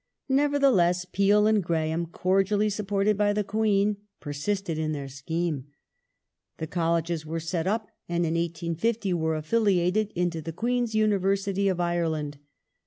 Nevertheless, Peel and Graham, cordially sup ported by the Queen, pei sisted in their scheme. The Colleges were set up and in 1850 were affiliated into the Queen's University of Ireland.